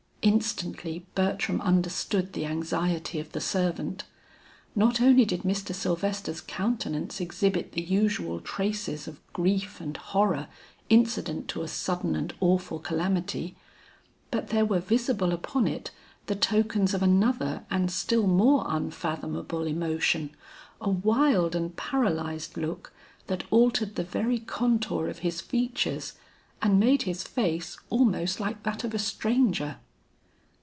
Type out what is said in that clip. Instantly Bertram understood the anxiety of the servant. Not only did Mr. Sylvester's countenance exhibit the usual traces of grief and horror incident to a sudden and awful calamity, but there were visible upon it the tokens of another and still more unfathomable emotion, a wild and paralyzed look that altered the very contour of his features, and made his face almost like that of a stranger.